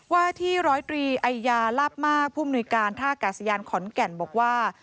ว่าที่ร้อยตรีไอยาลาบมากผู้มนุยการท่ากาศยานขอนแก่นบอกว่า